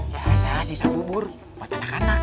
ya saya sisa bubur buat anak anak